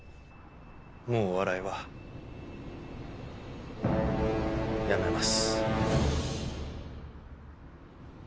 もうお笑いはやめます。